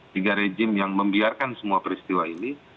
tiga rejim yang membiarkan semua peristiwa ini